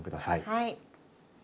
はい。